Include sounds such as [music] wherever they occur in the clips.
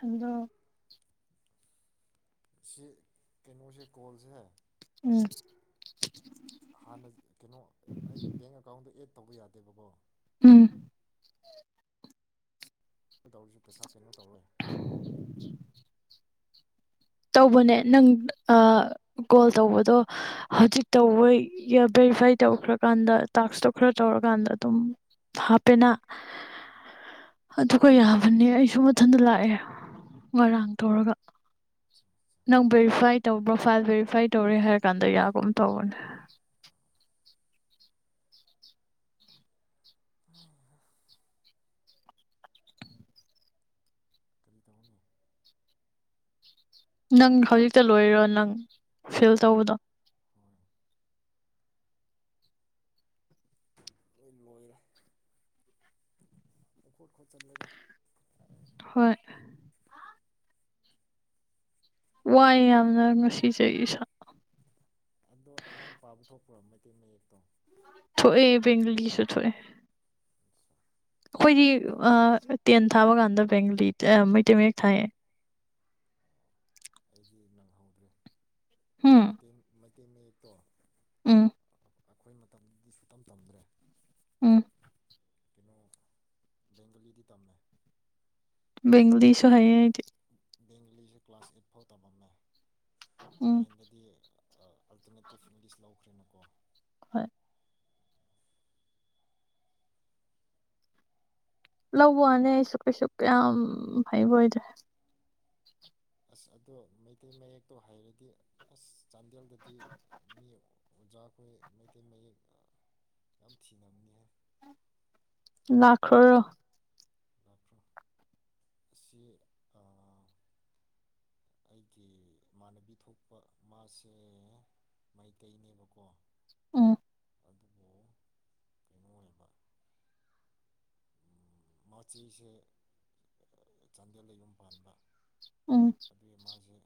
ꯑꯗꯣ ꯁꯤ ꯀꯩꯅꯣꯁꯦ ꯀꯣꯜꯁꯦ ꯎꯝ ꯍꯥꯟꯅ ꯀꯩꯅꯣ ꯑꯩꯒꯤ ꯕꯦꯡ ꯑꯦꯀꯥꯎꯟꯗ ꯑꯦꯠ ꯇꯧꯕ ꯌꯥꯗꯦꯕꯀꯣ ꯎꯝ꯫ ꯇꯧꯔꯁꯨ ꯄꯩꯁꯥ ꯀꯩꯅꯣ ꯇꯧꯔ ꯇꯧꯕꯅꯦ ꯅꯪ ꯑꯥ ꯀꯣꯜ ꯇꯧꯕꯗꯣ ꯍꯧꯖꯤꯛ ꯇꯧꯕ ꯚꯦꯔꯤꯐꯥꯏ ꯇꯧꯈ꯭ꯔꯀꯥꯟꯗ ꯇꯥꯛꯁꯇꯣ ꯈꯔ ꯇꯧꯔꯀꯥꯟꯗ ꯑꯗꯨꯝ ꯍꯥꯞꯄꯦꯅ ꯑꯗꯨꯒ ꯌꯥꯕꯅꯦ ꯑꯩꯁꯨ ꯃꯊꯟꯇ ꯂꯥꯛꯑꯦ ꯉꯔꯥꯡ ꯇꯧꯔꯒ꯫ ꯅꯪ ꯚꯦꯔꯤꯐꯥꯏ ꯇꯧꯕ꯭ꯔꯣꯐꯥꯏꯜ ꯚꯦꯔꯤꯐꯥꯏ ꯇꯧꯔꯦ ꯍꯥꯏꯔ ꯀꯥꯟꯗ ꯌꯥꯒꯨꯝ ꯇꯧꯕꯅꯦ꯫ ꯀꯔꯤ ꯇꯧꯅꯤ? ꯅꯪ ꯍꯧꯖꯤꯛꯇ ꯂꯣꯏꯔꯣ ꯅꯪ ꯐꯤꯜ ꯇꯧꯕꯗꯣ? ꯍꯣꯏ ꯂꯣꯏꯔꯦ꯫ ꯄꯥꯡ ꯈꯣꯠ ꯈꯣꯠꯆꯜꯂꯦꯗꯥ꯫ ꯍꯣꯏ꯫ ꯋꯥꯏ ꯌꯥꯝꯅ ꯉꯁꯤꯁꯦ ꯏ ꯁꯥ꯫ ꯑꯗꯣ ꯅꯪ ꯄꯥꯕ ꯊꯣꯛꯄꯔꯣ ꯃꯇꯩ ꯃꯌꯦꯛꯇꯣ? ꯊꯣꯛꯑ ꯕꯦꯡꯒꯂꯤꯁꯨ ꯊꯣꯛꯑꯦ꯫ ꯑꯩꯈꯣꯏꯗꯤ ꯑꯩ ꯊ ꯇꯦꯟ ꯊꯥꯕ ꯀꯥꯟꯗ ꯕꯦꯡꯒꯂꯤ ꯏ ꯃꯩꯇꯩ ꯃꯌꯦꯛ ꯊꯥꯏꯌꯦ꯫ ꯑꯩꯗꯤ ꯅꯪꯍꯧꯗ꯭ꯔꯦ꯫ ꯎꯝ ꯃꯇꯦꯡ ꯃꯩ ꯇ ꯃꯌꯦꯛꯇꯣ ꯎꯝ꯫ ꯑꯩꯈꯣꯏ ꯃꯇꯝꯗꯤ ꯁꯨꯛꯇꯝ ꯇꯝꯗ꯭ꯔꯦ꯫ ꯎꯝ꯫ ꯀꯩꯅꯣ ꯕꯦꯡꯒꯂꯤꯗꯤ ꯇꯝꯃꯦ꯫ ꯕꯦꯡꯂꯤꯁꯨ ꯍꯌꯦ ꯑꯩꯗꯤ꯫ ꯕꯦꯡꯒꯂꯤꯁ ꯀ꯭ꯂꯥꯁ ꯑꯩꯠ ꯐꯥꯎ ꯇꯝꯃꯝꯃꯦ꯫ ꯎꯝ ꯃꯥꯏꯟꯗꯗꯤ ꯑꯜꯇꯔꯅꯦꯇꯤꯞ ꯏꯪꯂꯤꯁ ꯂꯧꯈ꯭ꯔꯦꯅꯀꯣ꯫ ꯍꯣꯏ꯫ ꯂꯧꯕ ꯋꯥꯅꯦ ꯑꯩꯁꯨ ꯀꯩꯁꯨ ꯀꯌꯥꯝ ꯍꯩꯕ ꯑꯣꯏꯗ꯭ꯔꯦ꯫ ꯑꯁ ꯑꯗꯣ ꯃꯩꯇꯩ ꯃꯌꯦꯛꯇꯣ ꯍꯩꯔꯗꯤ ꯑꯁ ꯆꯥꯟꯗꯦꯜꯗꯗꯤ ꯃꯤ ꯑꯣꯖꯥꯈꯣꯏ ꯃꯩꯇꯩ ꯃꯌꯦꯛ ꯌꯥꯝ ꯊꯤꯅꯕꯅꯤ ꯍꯥꯏ꯫ ꯂꯈ꯭ꯔꯣ ꯑꯁꯤ ꯑꯩꯒꯤ ꯏꯃꯥꯟꯅꯕꯤ ꯊꯣꯛꯄ ꯃꯥꯁꯦ ꯃꯩꯇꯩꯅꯦꯕꯀꯣ ꯎꯝ꯫ ꯑꯗꯨꯕꯨ ꯀꯩꯅꯣ ꯑꯣꯏꯕ ꯃꯆꯤꯁꯦ ꯆꯥꯟꯗꯦꯜꯗ ꯌꯨꯝ ꯄꯥꯟꯕ꯫ ꯎꯝ ꯑꯗꯨ ꯃꯥꯁꯦ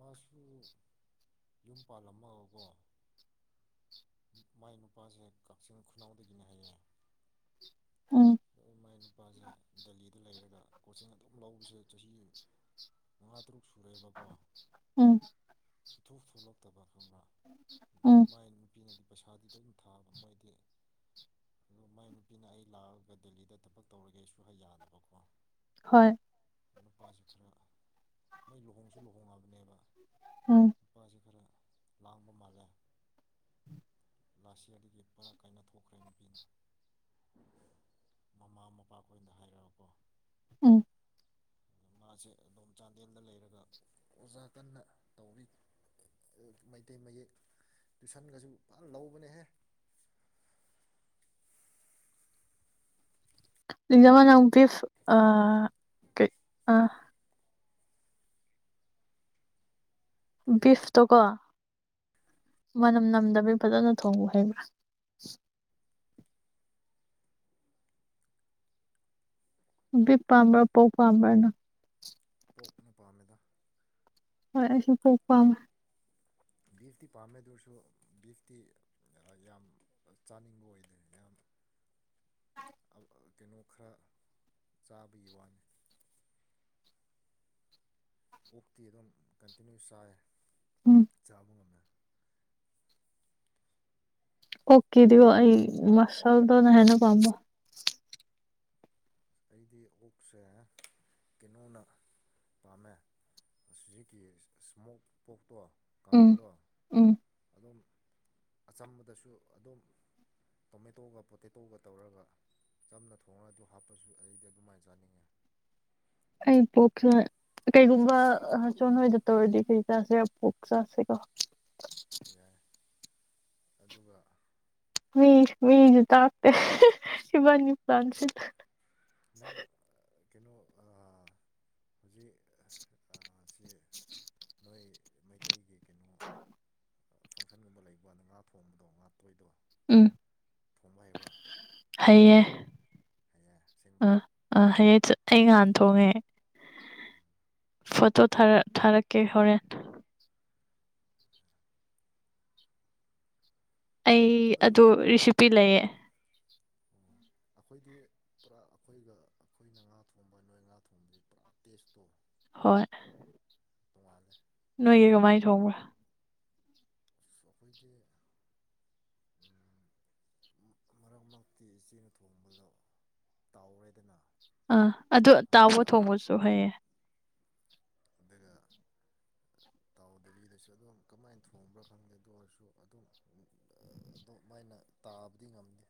ꯃꯥꯁꯨ ꯌꯨꯝ ꯄꯥꯜꯂꯝꯃꯒꯀꯣ ꯃꯥꯏ ꯅꯨꯄꯥꯁꯦ ꯀꯛꯆꯤꯡ ꯈꯨꯅꯩꯗꯒꯤꯅꯦ ꯍꯥꯏꯌꯦ ꯎꯝ ꯃꯥꯏ ꯅꯨꯄꯥꯁꯦ ꯗꯂꯤ ꯂꯩꯔꯒ ꯀꯣꯆꯤꯡ ꯑꯗꯨꯝ ꯂꯧꯕꯁꯦ ꯆꯍꯤ ꯃꯉꯥ ꯇꯔꯨꯛ ꯎꯝ ꯁꯨꯡꯊꯣꯛ ꯊꯣꯛꯂꯛꯇꯕ ꯈꯪꯕꯔ ꯎꯝ ꯄꯩꯁꯥꯗꯨꯗ ꯑꯗꯨꯝ ꯊꯥꯕ ꯃꯣꯏꯗꯤ ꯑ ꯃꯥꯏ ꯅꯨꯄꯤꯅ ꯑꯩ ꯂꯥꯛꯑꯒ ꯗꯦꯜꯂꯤꯗ ꯊꯕꯛ ꯇꯧꯔꯒꯦ ꯁꯨꯍ ꯌꯥꯗꯅꯕꯀꯣ ꯍꯣꯏ ꯅꯨꯄꯥꯁꯤ ꯈꯔ ꯃꯩ ꯂꯨꯍꯣꯡꯁꯨ ꯂꯨꯍꯣꯡꯉꯕꯅꯦꯕ ꯎꯝ ꯄꯥꯖ ꯈꯔ ꯂꯥꯡꯕ ꯃꯥꯜꯂꯦ ꯂꯥꯁꯤꯂꯤꯒꯤ ꯄꯨꯔꯥ ꯀꯥꯏꯅ ꯊꯣꯛꯈ꯭ꯔꯦ ꯅꯨꯄꯤꯅ ꯃꯃꯥ ꯃꯄꯥ ꯈꯨꯗ ꯍꯥꯏꯔꯛꯑꯣꯀꯣ ꯎ ꯃꯥꯁꯦ ꯑꯗꯣꯝ ꯆꯥꯟꯗꯦꯜꯗ ꯂꯩꯔꯒ ꯑꯣꯖꯥ ꯀꯟꯅ ꯇꯧꯔꯤ ꯃꯩꯇꯩ ꯃꯌꯦꯛ ꯇꯨꯏꯁꯟꯒꯁꯨ ꯐꯟ ꯂꯧꯕꯅꯦꯍꯦ [unintelligible] ꯀꯔꯤ ꯕꯤꯐꯇꯣꯀꯣ ꯃꯅꯝ ꯅꯝꯗꯕꯤ ꯐꯖꯅ ꯊꯣꯡꯉꯨ ꯍꯩꯕ꯭ꯔꯥ ꯕꯤꯐ ꯄꯥꯝꯕ꯭ꯔ ꯄ‌ꯣ꯭ꯔꯛ ꯄꯥꯝꯕ꯭ꯔ ꯅꯪ ꯄꯣꯛꯅ ꯄꯥꯝꯃꯦꯗ ꯍꯣꯏ ꯑꯩꯁꯨ ꯄꯣꯛꯄꯝ ꯃ‌ꯦ ꯕꯤꯐꯇꯤ ꯄꯥꯝꯃꯦ ꯗꯨꯏꯁꯨ ꯕꯤꯐꯇꯤ ꯌꯥꯝ ꯆꯥꯅꯤꯡꯕ ꯑꯣꯏꯗꯦ ꯌꯥꯝ ꯀꯩꯅꯣ ꯈꯔ ꯆꯥꯕꯒꯤ ꯋꯥꯅꯤ ꯑꯣꯞꯇꯤ ꯑꯗꯨꯝ ꯀꯟꯇꯤꯅ꯭ꯌꯨ ꯆꯥꯏ ꯎꯝ ꯆꯥꯕꯥ ꯉꯝ ꯃꯦ ꯑꯣꯛ ꯀꯤꯗ ꯑꯩ ꯃꯁꯜꯗꯅꯍꯦꯟꯅ ꯄꯥꯝꯕ ꯑꯩꯗꯤ ꯑꯣꯛꯁꯦ ꯀꯩꯅꯣꯅ ꯄꯥꯝꯃꯦ ꯑꯁꯤꯒꯤꯀꯤ ꯏꯁꯃꯣꯛ ꯄꯣꯛ ꯄꯣꯠꯇꯣ ꯎꯝ ꯀꯪꯕꯗꯣ ꯎꯝ ꯑꯗꯨꯝ ꯑꯆꯝꯕꯗꯁꯨ ꯑꯗꯨꯝ ꯇꯣꯃꯦꯇꯣꯒ ꯄꯣꯇꯦꯇꯣꯒ ꯇꯧꯔꯒ ꯆꯝꯅ ꯊꯣꯡꯉꯒ ꯑꯗꯨ ꯍꯥꯞ ꯆꯄꯁꯨ ꯑꯩꯗꯤ ꯑꯗꯨꯃꯥꯏꯅ ꯆꯥꯅꯤꯡꯉꯦ ꯑꯩ ꯄꯣꯛꯁ ꯀꯩꯒꯨꯝꯕ ꯁꯣꯟ ꯍꯣꯏꯗ ꯇꯧꯔꯗꯤ ꯀꯩ ꯆꯁꯤꯔ ꯄꯨꯣꯛ ꯆꯁꯤꯀꯣ ꯌꯥꯏ ꯑꯗꯨꯒ ꯃꯤ ꯃꯤꯖ ꯇꯥꯛꯇꯦ ꯏꯕꯥꯟꯅꯤ ꯄ꯭ꯂꯥꯟꯁꯤ ꯅꯪ ꯀꯩꯅꯣ ꯍꯧꯖꯤꯛ ꯁꯤ [inaudible] ꯅꯣꯏ ꯃꯩꯇꯩꯒꯤ ꯀꯩꯅꯣ ꯐꯪꯁꯟꯒꯨꯝꯕ ꯂꯩꯕꯗ ꯉꯥ ꯊꯣꯡꯕꯗꯣ ꯉꯥ ꯑꯇꯣꯏꯗꯣ ꯎꯝ ꯊꯣꯡꯕ ꯍꯩꯕ꯭ꯔꯥ ꯍꯩꯌꯦ ꯍꯥꯏ ꯑꯦ ꯑꯥ ꯑꯥ ꯍꯌꯦꯡ ꯑꯩ ꯉꯍꯥꯟ ꯊꯣꯡꯉꯦ ꯐꯣꯇꯣ ꯊꯥꯔꯛꯀꯦ ꯍꯣꯔꯦꯟ ꯑꯩ ꯑꯗꯨ ꯔꯤꯁꯤꯄꯤ ꯂꯩꯌꯦ ꯑꯣ ꯑꯩꯈꯣꯏꯗꯤ ꯄꯨꯔꯥ ꯑꯩꯈꯣꯏꯒ ꯑꯩꯈꯣꯏꯅ ꯉꯥ ꯊꯣꯡꯕ ꯅꯣꯏ ꯉꯥ ꯊꯣꯡꯕꯗꯤ ꯄꯨꯔꯥ ꯇꯦꯁ ꯇꯣ ꯍꯣꯏ ꯅꯣꯏꯒꯤ ꯀꯃꯥꯏꯅ ꯊꯣꯡꯕ꯭ꯔꯥ ꯑꯁ ꯑꯩꯈꯣꯏꯗꯤ ꯃꯔꯛ ꯃꯔꯛꯇꯤ ꯏꯆꯦꯅ ꯊꯣꯡꯕꯗꯣ ꯇꯥꯎꯔꯦꯗꯅ ꯑꯥ ꯑꯗꯨ ꯍꯥꯟꯅ ꯇꯥꯎꯕ ꯇꯥꯎ ꯊꯣꯡꯕꯁꯨ ꯍꯩꯌꯦ ꯑꯗꯨꯒ ꯇꯥꯎꯗꯕꯤꯗꯁꯨ ꯑꯗꯨꯝ ꯀꯃꯥꯏꯅ ꯊꯣꯡꯕ꯭ꯔꯥ ꯈꯪꯗꯦ ꯑꯗꯨ ꯑꯣꯏꯔꯁꯨ ꯑꯗꯨꯝ ꯑꯑ- ꯑꯗꯨꯝ ꯃꯥꯏꯅ ꯇꯥꯕꯗꯤ ꯉꯝꯗꯦ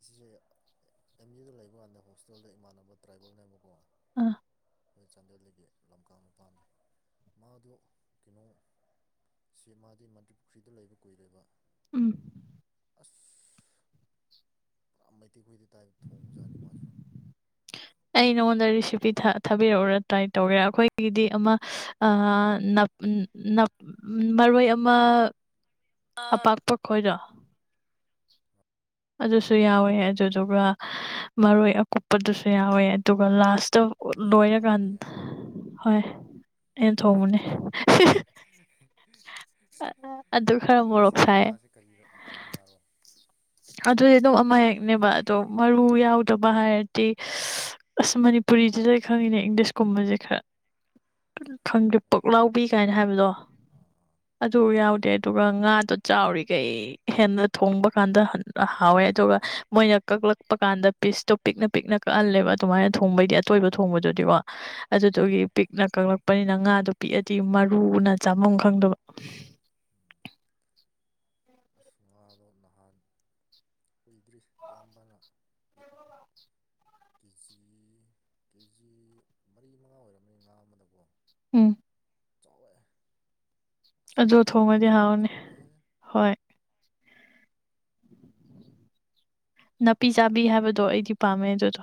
ꯑꯁꯤꯁꯦ ꯑꯦꯝ ꯌꯨꯗ ꯂꯩꯕ ꯀꯥꯟꯗ ꯍꯣꯁꯇꯦꯜꯗ ꯏꯃꯥꯟꯅꯕ ꯇ꯭ꯔꯥꯏꯕꯦꯜꯅꯦꯕꯀꯣ ꯑ ꯑꯩꯈꯣꯏ ꯆꯥꯟꯗꯦꯜꯒꯤ ꯂꯝꯀꯥ ꯅꯨꯄꯥꯅꯤ ꯃꯥꯗꯣ ꯀꯩꯅꯣ ꯁꯤ ꯃꯥꯗꯤ ꯃꯟꯇ꯭ꯔꯤ ꯄꯨꯈ꯭ꯔꯤꯗ ꯂꯩꯕ ꯀꯨꯏꯔꯦꯕ ꯎꯝ ꯑꯁ ꯄꯨꯔꯥ ꯃꯩꯇꯩꯈꯣꯏꯗꯩ ꯑꯩ ꯅꯉꯣꯟꯗ ꯔꯤꯁꯤꯄꯤ ꯊꯥ ꯊꯥꯕꯤꯔꯛꯎꯔ ꯇ꯭ꯔꯥꯏ ꯇꯧꯒꯦꯔꯥ ꯑꯩꯈꯣꯏꯒꯤꯗꯤ ꯑꯃ ꯁꯍꯍ ꯑꯑ-ꯅꯞ ꯎꯝ ꯎꯝ ꯅꯞ ꯎꯝ ꯃꯔꯣꯏ ꯑꯃ ꯑꯄꯥꯛꯄ ꯈꯣꯏꯗꯣ [inaudible] ꯑꯗꯨꯁꯨ ꯌꯥꯎꯋꯦ ꯑꯗꯨꯗꯨꯒ ꯃꯔꯣꯏ ꯑꯀꯨꯞꯄꯗꯨꯁꯨ ꯌꯥꯎꯋꯦ ꯑꯗꯨꯒ ꯂꯥꯁ ꯑꯣꯠ ꯍꯣꯏ ꯁꯤꯗꯤ ꯂꯣꯏꯔꯀꯥꯟ ꯍꯥꯎꯅꯤꯍꯦ ꯍꯣꯏ ꯑꯩꯅ ꯊꯣꯡꯕꯅꯤ ꯍ ꯍꯤ-ꯍꯤ ꯑ ꯑ ꯑꯗꯨ ꯈꯔ ꯃꯣꯔꯣꯛ ꯑꯁꯤ ꯁꯥꯏꯌꯦ ꯉꯥꯁꯦ ꯀꯔꯤ ꯀꯔꯤ ꯉꯥꯔꯣ ꯑꯗꯨꯗꯤ ꯑꯗꯨꯝ ꯑꯃꯍꯦꯛꯅꯦꯕ ꯑꯗꯣ ꯃꯔꯨ ꯌꯥꯎꯗꯕ ꯍꯥꯏꯔꯗꯤ ꯏꯁ- ꯑꯁ ꯃꯅꯤꯄꯨꯔꯤꯁꯤꯗ ꯈꯪꯉꯤꯅꯦ ꯏꯪꯂꯤꯁꯀꯨꯝꯕꯁꯦ ꯈꯔ ꯈꯪꯗꯦ ꯑꯥ ꯄꯨꯛꯂꯥꯎꯕꯤ ꯀꯥꯏꯅ ꯍꯥꯏꯕꯗꯣ ꯑꯥ ꯑꯥ ꯑꯗꯨ ꯌꯥꯎꯗꯦ ꯑꯗꯨꯒ ꯉꯥꯗꯣ ꯆꯥꯎꯔꯤꯈꯩ ꯍꯦꯟꯅ ꯊꯣꯡꯕ ꯀꯥꯟꯗ ꯍꯟ ꯍꯣꯏ ꯍꯥꯎꯋꯦ ꯑꯗꯨꯒ ꯍꯍ ꯃꯣꯏꯅ ꯀꯛꯂꯛꯄ ꯀꯥꯟꯗ ꯄꯤꯁꯇꯣ ꯄꯤꯛꯅ ꯄꯤꯛꯅ ꯀꯛꯍꯜꯂꯦꯕ ꯑꯗꯨꯃꯥꯏꯅ ꯊꯣꯡꯕꯩꯗꯤ ꯑꯇꯣꯏꯕ ꯊꯣꯡꯕꯗꯨꯗꯤꯀꯣ ꯎꯝ ꯑꯗꯨꯗꯨꯒꯤ ꯄꯤꯛꯅ ꯀꯛꯂꯛꯄꯅꯤꯅ ꯉꯥꯗꯣ ꯄꯤꯛꯑꯗꯤ ꯃꯔꯨꯅ ꯆꯥꯕꯝ ꯈꯪꯗꯕ ꯎꯝ ꯑꯁ ꯉꯥꯗꯣ ꯅꯍꯥꯟ ꯀꯨꯏꯗ꯭ꯔꯤ ꯏꯌꯥꯝꯕꯅ ꯀꯦꯖꯤ ꯀꯦꯖꯤ ꯃꯔꯤ ꯃꯉꯥ ꯑꯣꯏꯔꯝꯅꯤ ꯉꯥ ꯑꯃꯗꯀꯣ ꯎꯝ ꯆꯥꯎꯋꯦ ꯑꯁ ꯑꯗꯨ ꯑꯗꯨꯗꯤ ꯃꯍꯥꯎ ꯊꯣꯡꯉꯗꯤ ꯍꯥꯎꯅꯤ ꯐꯖꯅ ꯂꯩꯌꯦ ꯍꯣꯏ ꯅꯥꯄꯤ ꯑꯁ ꯆꯥꯕꯤ ꯑꯗꯣ ꯍꯥꯏꯕꯗꯣ ꯑꯩꯗꯤ ꯄꯥꯝꯃꯦ ꯑꯗꯨꯗꯣ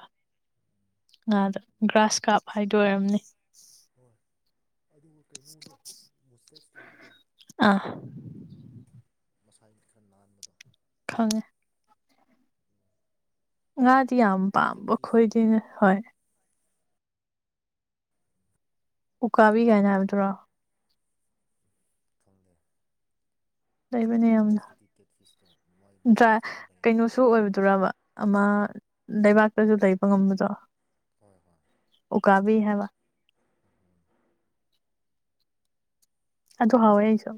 ꯉꯥꯗ ꯑꯗꯨꯒ ꯒ꯭ꯔꯥꯁ ꯀꯥꯞ ꯍꯥꯏꯗꯣ ꯑꯣꯏꯔꯝꯅꯤ ꯍꯣꯏ ꯑꯗꯨꯒ ꯀꯩꯅꯣꯗꯣ ꯃꯨꯁꯇꯦꯠꯁ ꯂꯩꯕꯗꯣ ꯑꯥ ꯃꯁꯥꯒꯤ ꯈꯔ ꯅꯥꯟꯕꯗꯣ ꯈꯪꯉꯦ ꯉꯥꯗꯤ ꯗꯤ ꯌꯥꯝ ꯀꯦꯠ ꯐꯤꯁꯇꯣ ꯄꯥꯝꯕꯈꯣꯏꯗꯤꯅꯦ ꯍꯣꯏ ꯎꯀꯥꯕꯤ ꯀꯥꯏꯅ ꯍꯥꯏꯕꯗꯨꯔꯣ ꯈꯪꯗꯦ ꯂꯩꯕꯅꯦ ꯌꯥꯝꯅ ꯏꯪꯂꯤꯁꯇꯗꯤ ꯀꯦꯠ ꯐꯤꯁꯇꯣ ꯃꯥꯏ ꯗ꯭ꯔꯥꯏ ꯃꯨꯁꯇꯦꯠꯁ ꯈꯔ ꯂꯩꯅ ꯀꯩꯅꯣꯁꯨ ꯑꯣꯏꯕꯗꯨꯔꯕꯥ ꯑꯃ ꯂꯩꯕꯥꯛꯇꯁꯨ ꯂꯩꯕ ꯉꯝꯕꯗꯣ ꯍꯣꯏ ꯍꯣꯏ ꯎꯀꯥꯕꯤ ꯍꯥꯏꯕ ꯎꯝ ꯑꯗꯣ ꯍꯥꯎꯋꯦ ꯑꯩꯁꯨ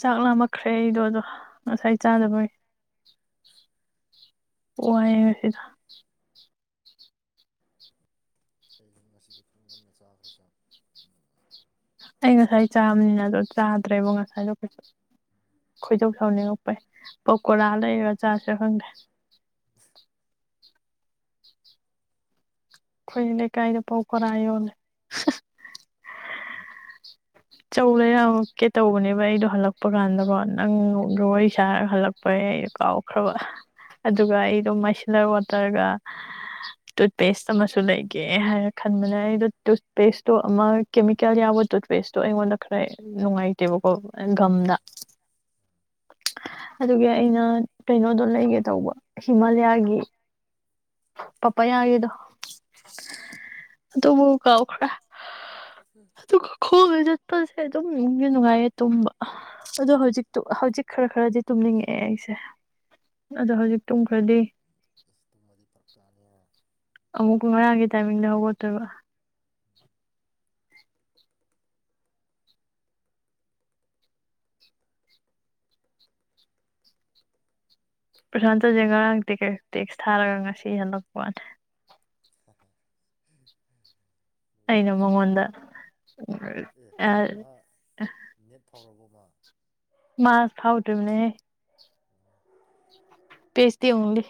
ꯆꯥꯛ ꯂꯥꯝꯃꯛꯈ꯭ꯔꯦ ꯑꯩꯗꯣ ꯑꯗꯣ ꯉꯁꯥꯏ ꯆꯥꯗꯕꯒꯤ ꯋꯥꯏꯌꯦ ꯉꯁꯤꯗꯣ [unintelligible] ꯑꯩ ꯉꯁꯥꯏ ꯆꯥꯕꯅꯤꯅꯗꯣ ꯆꯥꯗ꯭ꯔꯦꯕ ꯉꯁꯥꯏꯗꯣ ꯀꯩꯁꯨ ꯈꯣꯏꯗꯣꯛ ꯁꯥꯎꯅꯤꯡꯉꯛꯄꯩ ꯄꯥꯀꯣꯔꯥ ꯂꯩꯔꯒ ꯆꯥꯁꯤꯔ ꯈꯪꯗꯦ ꯫ ꯑꯩꯈꯣꯏꯒꯤ ꯂꯩꯀꯥꯏꯗ ꯄꯥꯀꯧꯔꯥ ꯌꯣꯜꯂꯦ ꯆꯧ ꯂꯩ ꯌꯥꯝꯃꯛꯀꯦ ꯇꯧꯕꯅꯦꯕ ꯑꯩꯗꯣ ꯍꯜꯂꯛꯄ ꯀꯥꯟꯗꯀꯣ ꯅꯪꯗ ꯋꯥꯔꯤ ꯁꯥꯔꯒ ꯍꯜꯂꯛꯄꯩ ꯑꯩꯗꯣ ꯀꯥꯎꯈ꯭ꯔꯕ ꯎꯝ ꯑꯗꯨꯒ ꯑꯩꯗꯣ ꯃꯥꯏꯁꯤꯂꯔ ꯋꯇꯔꯥ ꯅꯠꯇꯔꯒ ꯇꯨꯠꯄꯦꯁ ꯑꯃꯁꯨ ꯂꯩꯒꯦ ꯍꯥꯏꯔ ꯈꯟꯕꯅꯦ ꯑꯩꯗꯣ ꯇꯨꯠꯄꯦꯁꯇꯨ ꯑꯃ ꯀꯦꯃꯤꯀꯦꯜ ꯌꯥꯎꯕ ꯇꯨꯠꯄꯦꯁ ꯗꯣ ꯑꯩꯉꯣꯟꯗ ꯈꯔ ꯅꯨꯡꯉꯥꯏꯇꯦꯕꯀꯣ ꯒꯝꯗ ꯑꯗꯨꯒꯤ ꯑꯩꯅ ꯀꯩꯅꯣꯗꯣ ꯂꯩꯒꯦ ꯇꯧꯕ ꯍꯤꯃꯥꯂꯌꯥꯒꯤ ꯄꯥꯄꯥꯌꯥꯒꯤꯗꯣ ꯑꯗꯨꯕꯨ ꯀꯥꯎꯈ꯭ꯔꯦ ꯗꯨꯒꯥ ꯀꯦ ꯁ꯭ꯀꯨꯜ ꯆꯠꯄꯁꯦ ꯑꯗꯨꯝꯁꯨ ꯅꯨꯡꯉꯥꯏꯌꯦ ꯇꯨꯝꯕ ꯑꯗꯣ ꯎꯝ ꯍꯧꯖꯤ ꯍꯧꯖꯤꯛ ꯈꯔ ꯈꯔꯗꯤ ꯇꯨꯝꯅꯤꯡꯉꯛꯑꯦ ꯑꯩꯁꯦ ꯑꯗꯣ ꯍꯧꯖꯤꯛ ꯇꯨꯝꯈ꯭ꯔꯗꯤ ꯑꯁ ꯇꯨꯝꯃꯗꯤ ꯐꯔꯛ ꯇꯥꯅꯤꯍꯦ ꯑꯃꯨꯛꯀ ꯉꯔꯥꯡꯒꯤ ꯇꯥꯏꯃꯤꯡꯗ ꯍꯧꯒꯠꯇꯣꯏꯕ꯫ ꯄ꯭ꯔꯁꯥꯟꯇꯖꯦ ꯉꯔꯥꯡ ꯇꯦꯛ ꯀꯩꯛꯇꯦꯛ ꯊꯥꯔꯒ ꯉꯁꯤ ꯍꯜꯂꯛꯄ ꯋꯥꯅꯤ ꯅꯣꯏ ꯑꯩꯅ ꯊꯕꯛ ꯆꯤꯜꯂꯝꯒꯅꯤ ꯃꯉꯣꯟꯗ ꯀꯩꯅꯣ ꯎ ꯑꯦ ꯑ ꯋꯥ [inaudible] ꯃꯥ ꯐꯥꯎꯗꯤꯅꯦꯍꯦ ꯫ ꯄꯦ ꯍꯥꯁꯗꯤ ꯑꯣꯟꯂꯤ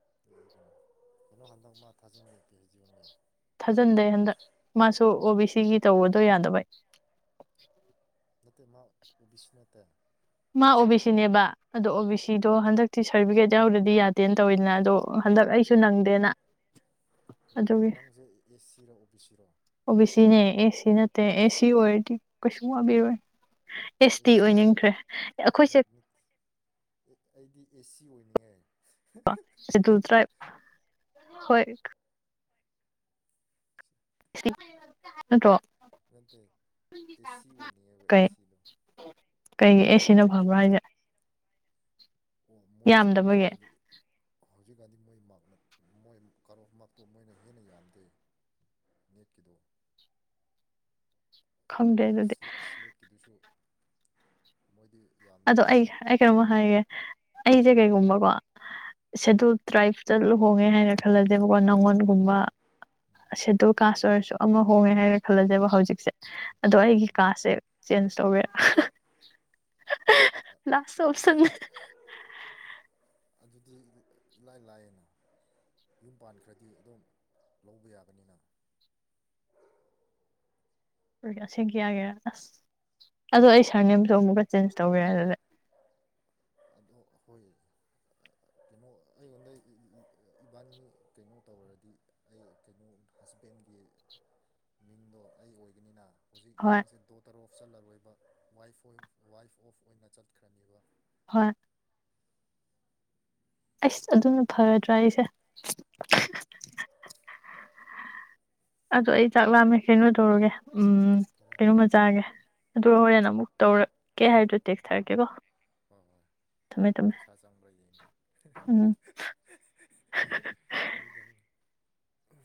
[inaudible] ꯊꯥꯖꯟꯗꯦ ꯍꯟꯗꯛ ꯃꯥꯁꯨ ꯑꯣ ꯕꯤ ꯁꯤꯒꯤ ꯇꯧꯕꯗꯣ ꯌꯥꯗꯕꯩ ꯫ [inaudible] ꯃꯥ ꯑꯣ ꯕꯤ ꯁꯤꯅꯦꯕ ꯑꯗꯣ ꯑꯣ ꯕꯤ ꯁꯤꯗꯣ ꯍꯟꯗꯛꯇꯤ ꯁꯥꯔꯇꯤꯐꯤꯀꯦꯠ ꯌꯥꯎꯗꯗꯤ ꯌꯥꯗꯦꯅ ꯇꯧꯋꯤꯗꯅ ꯑꯗꯣ ꯍꯟꯗꯛ ꯑꯩꯁꯨ ꯅꯪꯗꯦꯅ ꯑꯗꯨꯒꯤ ꯅꯪꯁꯦ ꯑꯦꯁ ꯁꯤꯔꯣ ꯑꯣ ꯕꯤ ꯁꯤꯔꯣ ꯑꯣꯕꯤ ꯁꯤꯅꯦ ꯑꯦ ꯁꯤ ꯅ ꯑꯦꯁ ꯁꯤ ꯑꯣꯢꯔꯗꯤ ꯀꯩꯁꯨ ꯋꯥꯕꯤꯔꯣꯢ꯫ ꯑꯦꯁ ꯇꯤ ꯑꯣꯏꯅꯤꯡꯈ꯭ꯔꯦ ꯑꯩꯈꯣꯏꯁꯦ [inaudible] [inaudible] ꯁꯤꯗꯨꯜ ꯇ꯭ꯔꯥꯏꯕ ꯍꯣꯏ ꯅꯠꯇ꯭ꯔꯣ ꯀꯩ ꯀꯩꯒꯤ ꯑꯦꯁ ꯁꯤꯅ ꯐꯕ꯭ꯔꯥ ꯍꯥꯏꯁꯦ [inaudible] ꯌꯥꯝꯗꯕꯒꯤ [inaudible] [inaudible] [inaudible] ꯈꯪꯗꯦ ꯑꯗꯨꯗꯤ [inaudible] ꯑꯗꯣ ꯑꯩ ꯑꯩ ꯀꯩꯅꯣꯝꯃ ꯍꯥꯏꯒꯦ ꯑꯩꯁꯦ ꯀꯩꯒꯨꯝꯕꯀꯣ ꯎꯝ ꯁꯦꯗꯨꯜ ꯇ꯭ꯔꯥꯏꯞꯇ ꯂꯨ ꯍꯣꯡꯉꯦ ꯍꯥꯏꯔ ꯈꯜꯂꯁꯦꯕꯀꯣ ꯅꯪꯉꯣꯟꯒꯨꯝꯕ ꯎꯝ ꯁꯦꯗꯨꯜ ꯀꯥꯁ ꯑꯣꯏꯔꯁꯨ ꯑꯃ ꯍꯣꯡꯉꯦ ꯍꯥꯏꯔ ꯈꯜꯂꯁꯦꯕ ꯍꯧꯖꯤꯛꯁꯦ ꯑꯗꯣ ꯑꯩꯒꯤ ꯎꯝ ꯀꯥꯁꯁꯦ ꯆꯦꯟꯖ ꯇꯧꯒꯦꯔ꯫ ꯑꯗꯨ ꯂꯥꯁ ꯑꯣꯞꯁꯟ ꯑꯗꯨꯗꯤ ꯑꯗꯨꯗꯤ ꯏꯂꯥꯏ ꯂꯥꯏꯌꯦꯅ ꯌꯨꯝ ꯄꯥꯟꯈ꯭ꯔꯗꯤ ꯑꯗꯨꯝ ꯂꯧꯕ ꯌꯥꯒꯅꯤꯅ ꯑꯣꯏ ꯑꯥ ꯁꯦꯡ ꯀꯤ ꯌꯥꯒꯦ ꯑꯁ ꯑꯗꯣ ꯑꯩ ꯍꯣꯏꯅꯦ ꯁꯥꯔꯅꯦꯝꯁꯨ ꯑꯃꯨꯛꯀ ꯆꯦꯟꯖ ꯇꯧꯒꯦꯔ ꯑꯗꯨꯗꯤ ꯑꯗꯣ ꯍꯣꯏ ꯀꯩꯅꯣ ꯑꯩꯉꯣꯟꯗ ꯏꯕꯥꯅꯤ ꯀꯩꯅꯣ ꯇꯧꯔꯗꯤ ꯑꯩ ꯀꯩꯅꯣ ꯍꯁꯕꯦꯟꯒꯤ ꯃꯤꯡꯗꯣ ꯑꯩ ꯑꯣꯏꯒꯅꯤꯅ ꯍꯧꯖꯤꯛ ꯍꯣꯏ ꯅꯪꯁꯦ ꯗꯣ ꯇꯔꯣ ꯑꯣꯐꯞ ꯆꯠꯂꯔꯣꯏꯕ ꯋꯥꯏꯐ ꯋꯥꯏꯐ ꯑꯣꯐ ꯑꯣꯏꯅ ꯆꯠꯈ꯭ꯔꯅꯦꯕ ꯍꯣꯏ ꯑꯩꯁ ꯑꯗꯨꯝꯅ ꯐꯒꯗ꯭ꯔꯥ ꯑꯩꯁꯦ ꯑꯗꯨ ꯑꯩ ꯆꯥꯛ ꯂꯥꯝꯃꯦ ꯀꯩꯅꯣ ꯇꯧꯔꯒꯦ ꯎꯝ ꯐꯔꯦ ꯀꯩꯅꯣꯃꯆꯥꯥꯒꯦ ꯑꯗꯨꯒ ꯆꯥꯎ ꯍꯣꯔꯦꯟ ꯑꯃꯨꯛ ꯇꯧꯔꯛꯀꯦ ꯍꯥꯏꯗꯨꯣ ꯇꯦꯛꯁ ꯍꯣꯏ ꯊꯥꯔꯀꯦꯀꯣ ꯍꯣꯏ ꯍꯣꯏ ꯄꯩꯁꯥ ꯆꯪꯔ ꯌꯦꯡꯒꯦ ꯎꯝ ꯑꯗꯨꯗ ꯎ